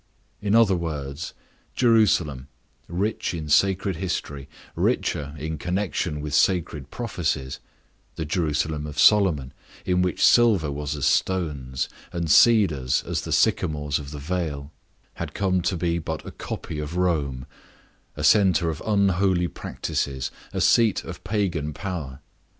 In other words, Jerusalem, rich in sacred history, richer in connection with sacred prophecies—the Jerusalem of Solomon, in which silver was as stones, and cedars as the sycamores of the vale—had come to be but a copy of Rome, a center of unholy practises, a seat of pagan power.